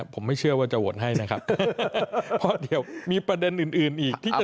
ผมไม่เชื่อว่าจะโหวตให้นะครับเพราะเดี๋ยวมีประเด็นอื่นอีกที่จะ